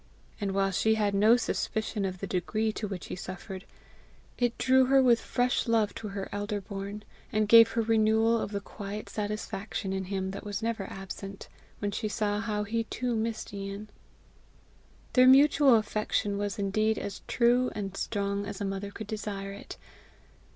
And while she had no suspicion of the degree to which he suffered, it drew her with fresh love to her elder born, and gave her renewal of the quiet satisfaction in him that was never absent, when she saw how he too missed Ian. Their mutual affection was indeed as true and strong as a mother could desire it.